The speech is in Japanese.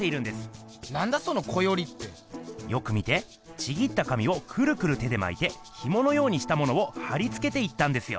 ちぎった紙をくるくる手でまいてひものようにしたものを貼りつけていったんですよ。